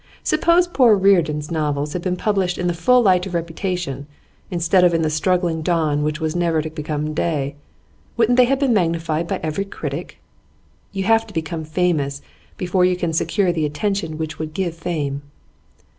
Suppose poor Reardon's novels had been published in the full light of reputation instead of in the struggling dawn which was never to become day, wouldn't they have been magnified by every critic? You have to become famous before you can secure the attention which would give fame.